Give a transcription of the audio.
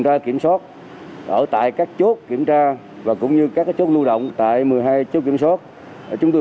ra kiểm soát ở tại các chốt kiểm tra và cũng như các chốt lưu động tại một mươi hai chốt kiểm soát chúng tôi